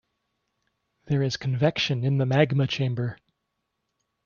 There is convection in the magma chamber.